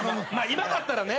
今だったらね